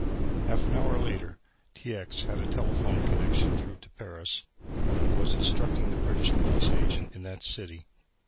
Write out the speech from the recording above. Half an hour later T. X. had a telephone connection through to Paris and was instructing the British police agent in that city.